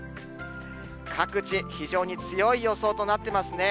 各地非常に強い予想となってますね。